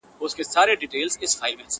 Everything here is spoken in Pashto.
بیا هغه لار ده، خو ولاړ راته صنم نه دی~